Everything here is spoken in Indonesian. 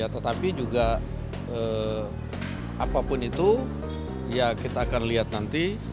tetapi juga apapun itu ya kita akan lihat nanti